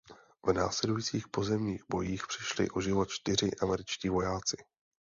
V následujících pozemních bojích přišli o život čtyři američtí vojáci.